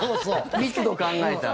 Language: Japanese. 密度考えたら。